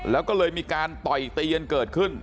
แล้วก็เลยมีการต่อยเตียนเกิดขึ้น